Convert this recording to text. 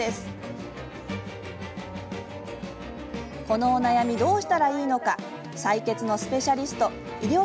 このお悩みどうしたらいいのか採血のスペシャリスト医療